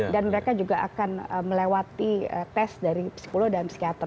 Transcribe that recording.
dan mereka juga akan melewati tes dari psikolog dan psikiater